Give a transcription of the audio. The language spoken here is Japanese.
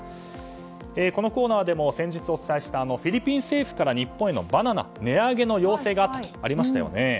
このコーナーでも先日お伝えしたフィリピン政府から日本へのバナナ値上げの要請があったとありましたよね。